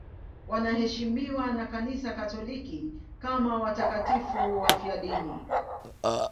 Wanaheshimiwa na Kanisa Katoliki kama watakatifu wafiadini.